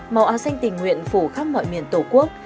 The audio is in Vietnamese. màu áo xanh tình nguyện phủ khắp mọi miền tổ quốc